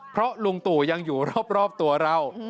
เพราะลุงตู่ยังอยู่รอบตัวเรา